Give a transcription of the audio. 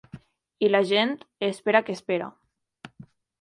I la gent, espera que espera.